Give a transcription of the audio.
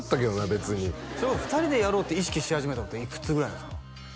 別にそれこそ２人でやろうって意識し始めたのっていくつぐらいなんですか？